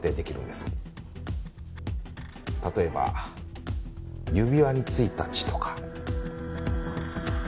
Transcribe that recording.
例えば指輪に付いた血とか。